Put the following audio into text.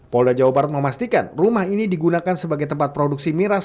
polda jawa barat memastikan rumah ini digunakan sebagai tempat produksi miras